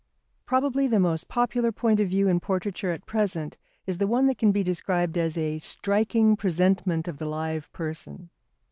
Probably the most popular point of view in portraiture at present is the one that can be described as a "striking presentment of the live person."